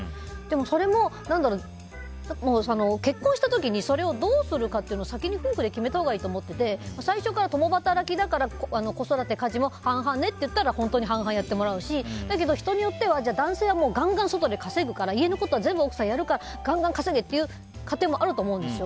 それも結婚した時にそれをどうするかっていうのを先に夫婦で決めたほうがいいと思っていて最初から共働きだから子育て家事も半々ねって言ったら本当に半々やってもらうしでも人によっては男性はガンガン、外で稼ぐから家のことは全部奥さんやるからガンガン稼げっていう家庭もあると思うんですよ。